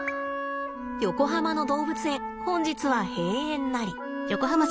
横浜の動物園本日は閉園なり。